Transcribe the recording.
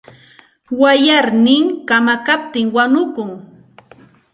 Wayarnin kamakaptin wanukun.